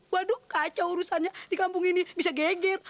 waduh kacau urusannya di kampung ini bisa geger